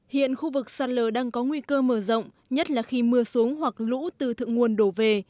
hiện khu vực sạt lờ đang có nguy cơ mở rộng nhất là khi mưa xuống hoặc lũ từ thượng nguồn đổ về